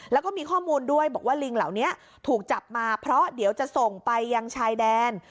แล้วก็มีข้อมูลด้วยบอกว่าลิงเหล่านี้ถูกจับมาเพราะเดี๋ยวจะส่งไปยังชายแดน